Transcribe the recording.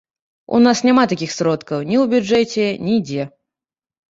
У нас няма такіх сродкаў, ні ў бюджэце, нідзе.